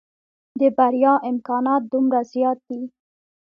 د بريا امکانات دومره زيات دي.